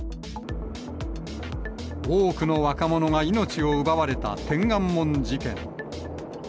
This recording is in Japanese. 多くの若者が命を奪われた天安門事件。